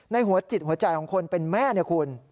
ในหัวจิตหัวใจของคนเป็นแม่เนี่ยคุณ